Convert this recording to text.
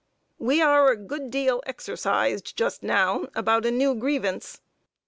We are a good deal exercised, just now, about a new grievance.